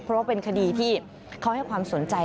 เพราะว่าเป็นคดีที่เขาให้ความสนใจ